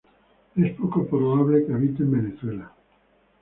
Es poco probable que habite en Venezuela.